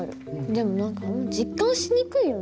でも何かあんま実感しにくいよね。